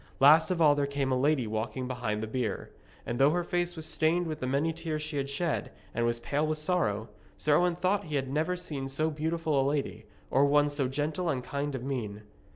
Last of all there came a lady walking behind the bier. And though her face was stained with the many tears she had shed, and was pale with sorrow, Sir Owen thought he had never seen so beautiful a lady, or one so gentle and kind of mien.